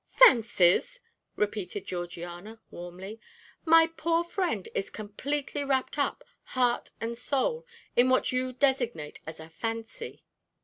"Fancies!" repeated Georgiana warmly. "My poor friend is completely wrapped up, heart and soul, in what you designate as a fancy."